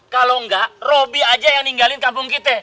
kalau enggak robby aja yang ninggalin kampung kita